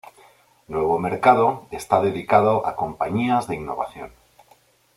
Nuevo Mercado está dedicado a compañías de innovación.